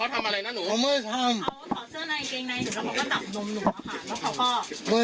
เอาเทาเสื้อในนายเกงนายพวกเขาก็จับนมหนูเหรอคะ